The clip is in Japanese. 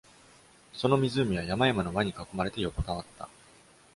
その湖は山々の輪に囲まれて横たわった。